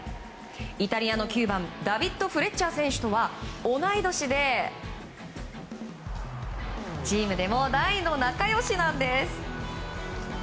イタリアの９番ダビッド・フレッチャー選手とは同い年でチームでも大の仲良しなんです。